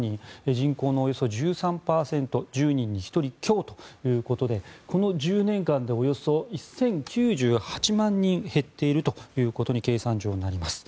人口のおよそ１３％１０人に１人強ということでこの１０年間でおよそ１０９８万人減っているということに計算上、なります。